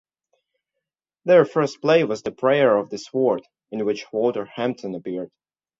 Their first play was "The Prayer of the Sword" in which Walter Hampden appeared.